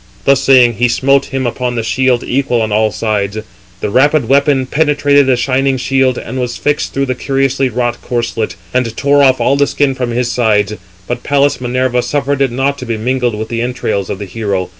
Thus saying, he smote him upon the shield equal on all sides. The rapid weapon penetrated the shining shield, and was fixed through the curiously wrought corslet, and tore off all the skin from his sides. But Pallas Minerva suffered it not to be mingled with the entrails of the hero.